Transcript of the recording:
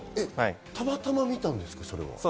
たまたま見たんですか？